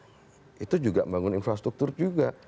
bikin cold storage itu juga membangun infrastruktur juga